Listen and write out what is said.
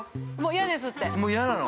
◆嫌なの？